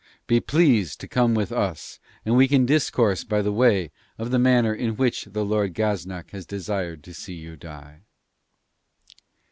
Be pleased to come with us, and we can discourse by the way of the manner in which the Lord Gaznak has desired to see you die.'